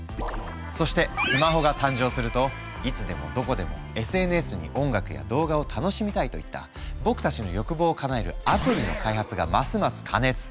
そしてスマホが誕生するといつでもどこでもＳＮＳに音楽や動画を楽しみたいといった僕たちの欲望をかなえるアプリの開発がますます過熱。